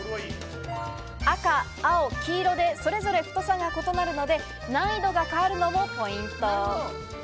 赤・青・黄色でそれぞれ太さが異なるので難易度が変わるのもポイント。